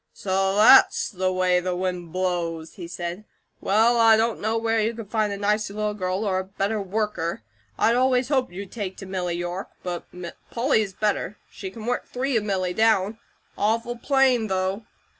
"So THAT'S the way the wind blows!" he said. "Well, I don't know where you could find a nicer little girl or a better worker. I'd always hoped you'd take to Milly York; but Polly is better; she can work three of Milly down. Awful plain, though!"